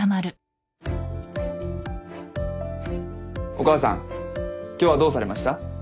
お母さん今日はどうされました？